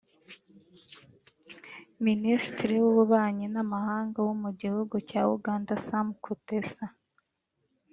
Minisitiri w’Ububanyi n’Amahanga wo mu gihugu cya Uganda Sam Kutesa